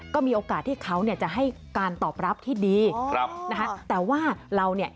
ก็มีโอกาสที่เขาเนี่ยจะให้การตอบรับที่ดีครับนะคะแต่ว่าเราเนี่ย